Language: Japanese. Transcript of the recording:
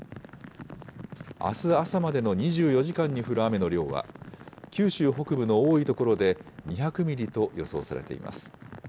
あす朝までの２４時間に降る雨の量は、九州北部の多い所で２００ミリと予想されています。